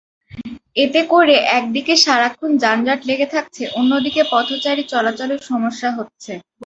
এতে করে একদিকে সারাক্ষণ যানজট লেগে থাকছে, অন্যদিকে পথচারী চলাচলেও সমস্যা হচ্ছে।